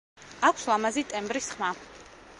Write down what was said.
აქვს ლამაზი ტემბრის ხმა.